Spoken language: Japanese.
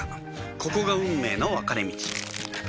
ここが運命の分かれ道